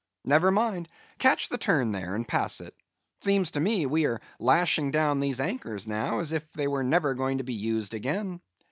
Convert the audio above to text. Never mind; catch the turn there, and pass it. Seems to me we are lashing down these anchors now as if they were never going to be used again.